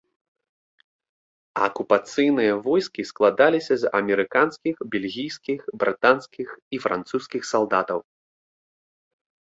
Акупацыйныя войскі складаліся з амерыканскіх, бельгійскіх, брытанскіх і французскіх салдатаў.